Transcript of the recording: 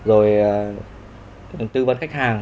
để trả lời mail rồi tư vấn khách hàng